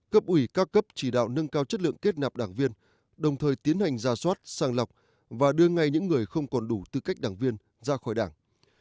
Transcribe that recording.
cấp ủy các cấp chỉ đạo nâng cao chất lượng kết nạp đảng viên đồng thời tiến hành ra soát sang lọc và đưa ngay những người không còn đủ tư cách đảng viên ra khỏi đảng